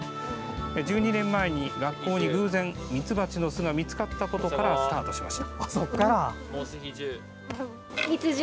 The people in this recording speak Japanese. １２年前に学校に偶然ミツバチの巣が見つかったことからスタートしました。